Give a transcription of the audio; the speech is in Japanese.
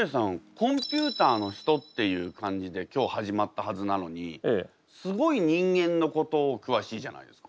コンピューターの人っていう感じで今日始まったはずなのにすごい人間のこと詳しいじゃないですか。